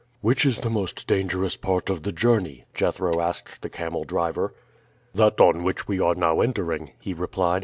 "Which is the most dangerous part of the journey?" Jethro asked the camel driver. "That on which we are now entering," he replied.